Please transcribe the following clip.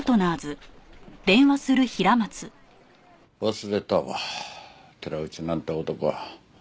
忘れたわ寺内なんて男は。